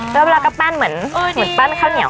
แล้วเวลาก็ปั้นเหมือนปั้นข้าวเหนียว